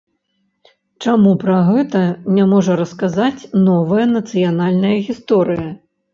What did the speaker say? Чаму пра гэта не можа расказаць новая нацыянальная гісторыя?